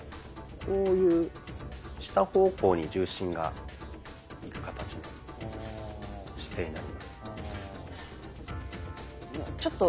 こういう下方向に重心がいく形になる姿勢になります。